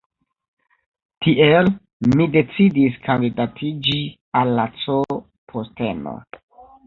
Tiel, mi decidis kandidatiĝi al la C posteno.